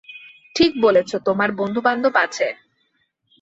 ঠিক বলেছ, তোমার বন্ধু-বান্ধব আছে।